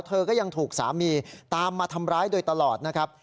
เธอก็ยังถูกสามีตามมาทำร้ายโดยตลอดนะครับ